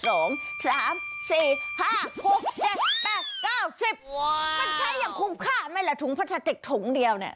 มันใช้อย่างคุ้มค่าไหมล่ะถุงพลาสติกถุงเดียวเนี่ย